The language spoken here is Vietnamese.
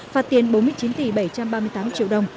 phạt tiền bốn mươi chín tỷ bảy trăm ba mươi tám triệu đồng